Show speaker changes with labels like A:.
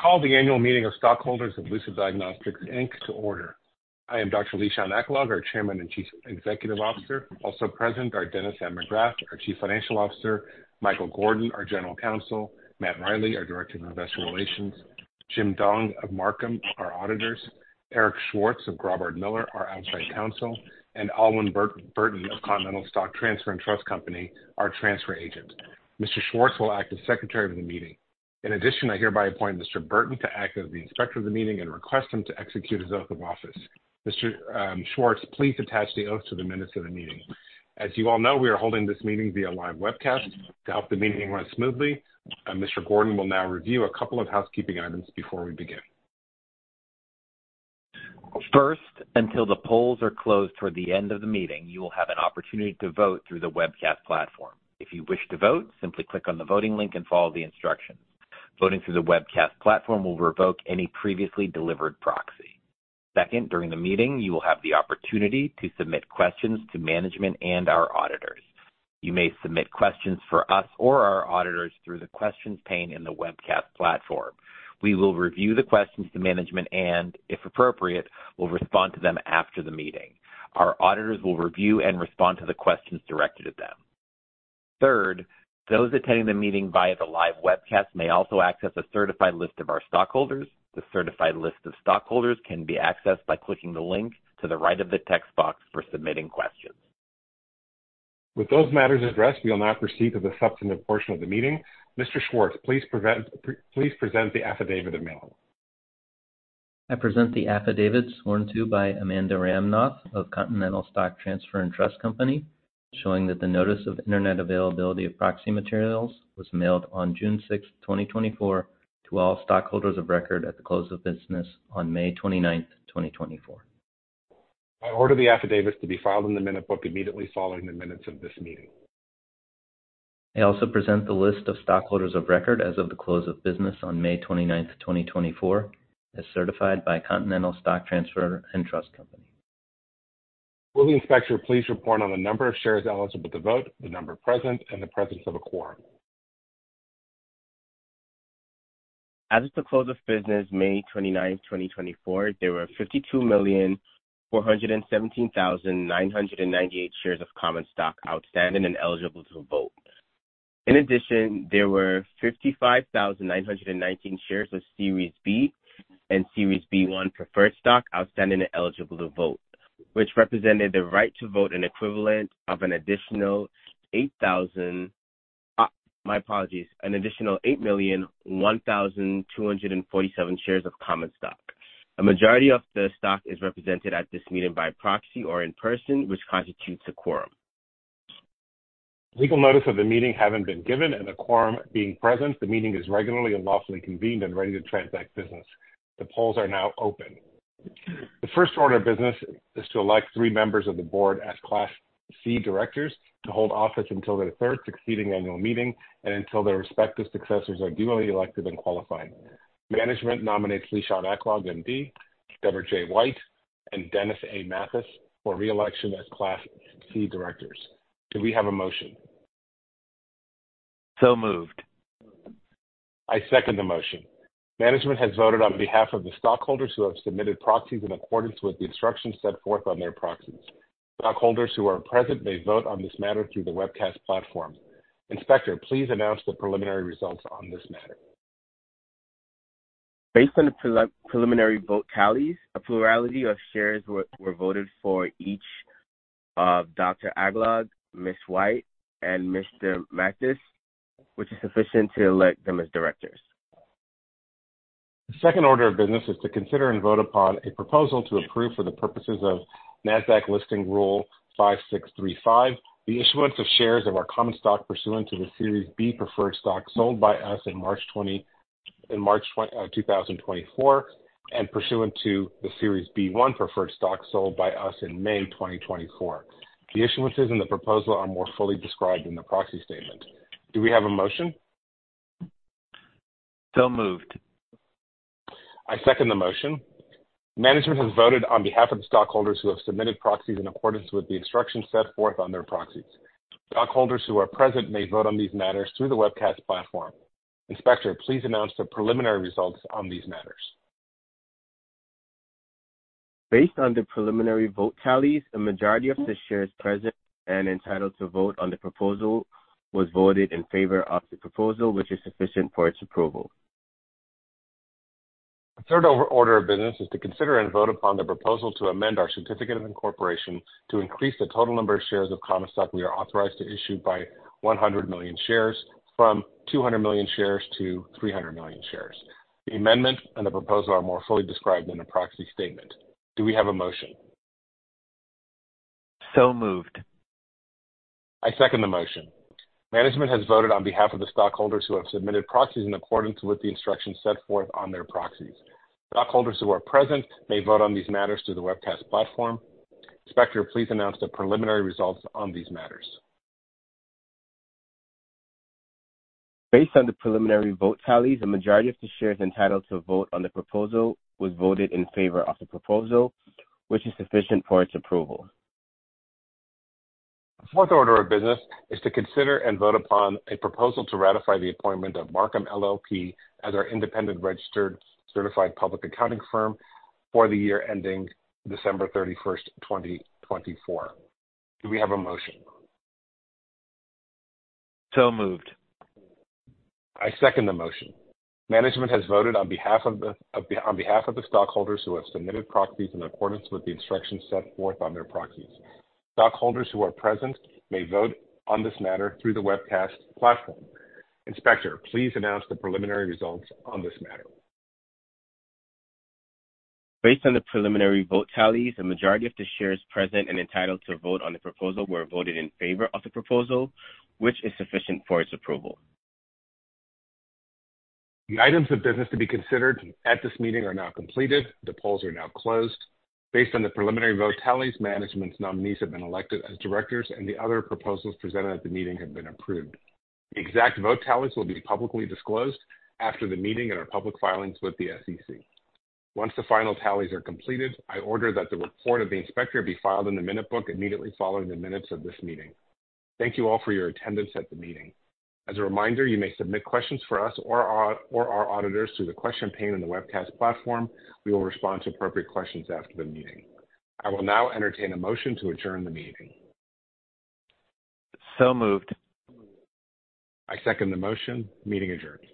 A: I call the annual meeting of stockholders of Lucid Diagnostics Inc, to order. I am Dr. Lishan Aklog, our Chairman and Chief Executive Officer. Also present are Dennis McGrath, our Chief Financial Officer; Michael Gordon, our General Counsel; Matt Riley, our Director of Investor Relations; Jim Dong of Marcum, our Auditors; Eric Schwartz of Graubard Miller, our Outside Counsel; and Alwyn Burton of Continental Stock Transfer and Trust Company, our Transfer Agent. Mr. Schwartz will act as Secretary of the Meeting. In addition, I hereby appoint Mr. Burton to act as the Inspector of the Meeting and request him to execute his oath of office. Mr. Schwartz, please attach the oath to the minutes of the meeting. As you all know, we are holding this meeting via live webcast to help the meeting run smoothly. Mr. Gordon will now review a couple of housekeeping items before we begin.
B: First, until the polls are closed toward the end of the meeting, you will have an opportunity to vote through the webcast platform. If you wish to vote, simply click on the voting link and follow the instructions. Voting through the webcast platform will revoke any previously delivered proxy. Second, during the meeting, you will have the opportunity to submit questions to management and our Auditors. You may submit questions for us or our Auditors through the Questions pane in the webcast platform. We will review the questions to management and, if appropriate, will respond to them after the meeting. Our Auditors will review and respond to the questions directed at them. Third, those attending the meeting via the live webcast may also access a certified list of our stockholders. The certified list of stockholders can be accessed by clicking the link to the right of the text box for submitting questions.
A: With those matters addressed, we will now proceed to the substantive portion of the meeting. Mr. Schwartz, please present the affidavit of mailing.
C: I present the affidavit sworn to by Amanda Ramnoth of Continental Stock Transfer and Trust Company, showing that the notice of internet availability of proxy materials was mailed on June 6, 2024, to all stockholders of record at the close of business on May 29, 2024.
A: I order the affidavit to be filed in the minute book immediately following the minutes of this meeting.
C: I also present the list of stockholders of record as of the close of business on May 29, 2024, as certified by Continental Stock Transfer & Trust Company.
A: Will the Inspector please report on the number of shares eligible to vote, the number present, and the presence of a quorum?
B: As of the close of business, May 29, 2024, there were 52,417,998 shares of common stock outstanding and eligible to vote. In addition, there were 55,919 shares of Series B and Series B-1 preferred stock outstanding and eligible to vote, which represented the right to vote an equivalent of an additional 8,000, my apologies, an additional 8,001,247 shares of common stock. A majority of the stock is represented at this meeting by proxy or in person, which constitutes a quorum.
A: Legal notice of the meeting having been given and the quorum being present, the meeting is regularly and lawfully convened and ready to transact business. The polls are now open. The first order of business is to elect three members of the board as Class C Directors to hold office until their third succeeding annual meeting and until their respective successors are duly elected and qualified. Management nominates Lishan Aklog, M.D., Deborah J. White, and Dennis A. Matheis for reelection as Class C Directors. Do we have a motion?
B: So moved.
A: I second the motion. Management has voted on behalf of the stockholders who have submitted proxies in accordance with the instructions set forth on their proxies. Stockholders who are present may vote on this matter through the webcast platform. Inspector, please announce the preliminary results on this matter.
B: Based on the preliminary vote tallies, a plurality of shares were voted for each of Dr. Aklog, Ms. White, and Mr. Matheis, which is sufficient to elect them as Directors.
A: The second order of business is to consider and vote upon a proposal to approve for the purposes of Nasdaq Listing Rule 5635, the issuance of shares of our common stock pursuant to the Series B Preferred Stock sold by us in March 2024 and pursuant to the Series B-1 Preferred Stock sold by us in May 2024. The issuances and the proposal are more fully described in the Proxy Statement. Do we have a motion?
B: So moved.
A: I second the motion. Management has voted on behalf of the stockholders who have submitted proxies in accordance with the instructions set forth on their proxies. Stockholders who are present may vote on these matters through the webcast platform. Inspector, please announce the preliminary results on these matters.
B: Based on the preliminary vote tallies, a majority of the shares present and entitled to vote on the proposal was voted in favor of the proposal, which is sufficient for its approval.
A: The third order of business is to consider and vote upon the proposal to amend our Certificate of Incorporation to increase the total number of shares of common stock we are authorized to issue by 100 million shares, from 200 million shares to 300 million shares. The amendment and the proposal are more fully described in the proxy statement. Do we have a motion?
B: So moved.
A: I second the motion. Management has voted on behalf of the stockholders who have submitted proxies in accordance with the instructions set forth on their proxies. Stockholders who are present may vote on these matters through the webcast platform. Inspector, please announce the preliminary results on these matters.
B: Based on the preliminary vote tallies, a majority of the shares entitled to vote on the proposal was voted in favor of the proposal, which is sufficient for its approval.
A: The fourth order of business is to consider and vote upon a proposal to ratify the appointment of Marcum LLP as our independent registered public accounting firm for the year ending December 31, 2024. Do we have a motion?
B: So moved.
A: I second the motion. Management has voted on behalf of the stockholders who have submitted proxies in accordance with the instructions set forth on their proxies. Stockholders who are present may vote on this matter through the webcast platform. Inspector, please announce the preliminary results on this matter.
B: Based on the preliminary vote tallies, a majority of the shares present and entitled to vote on the proposal were voted in favor of the proposal, which is sufficient for its approval.
A: The items of business to be considered at this meeting are now completed. The polls are now closed. Based on the preliminary vote tallies, management's nominees have been elected as directors, and the other proposals presented at the meeting have been approved. The exact vote tallies will be publicly disclosed after the meeting in our public filings with the SEC. Once the final tallies are completed, I order that the report of the Inspector be filed in the minute book immediately following the minutes of this meeting. Thank you all for your attendance at the meeting. As a reminder, you may submit questions for us or our auditors through the Questions pane in the webcast platform. We will respond to appropriate questions after the meeting. I will now entertain a motion to adjourn the meeting.
B: So moved.
A: I second the motion. Meeting adjourned.